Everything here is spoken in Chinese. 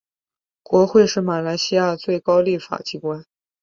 国会是马来西亚最高立法机关。